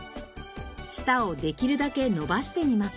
舌をできるだけ伸ばしてみましょう。